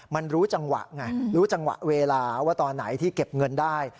มันรู้จังหวะไงรู้จังหวะเวลาว่าตอนไหนที่เก็บเงินได้